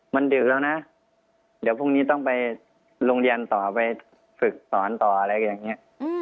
มันดึกแล้วนะเดี๋ยวพรุ่งนี้ต้องไปโรงเรียนต่อไปฝึกสอนต่ออะไรอย่างนี้